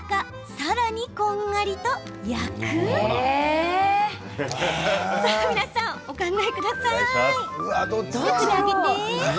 さらに、こんがりと焼くさあ皆さん、お考えください。